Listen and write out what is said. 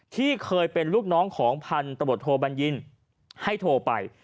ที่เคยเป็นลูกน้องของพันธบทโทบัญญินให้โทรไป